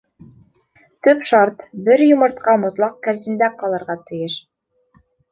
Төп шарт: бер йомортҡа мотлаҡ кәрзиндә ҡалырға тейеш.